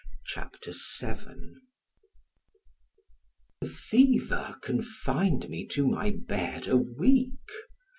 CHAPTER VII THE fever confined me to my bed a week.